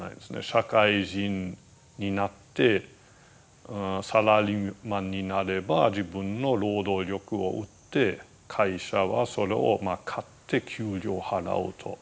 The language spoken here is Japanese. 社会人になってサラリーマンになれば自分の労働力を売って会社はそれを買って給料払うと。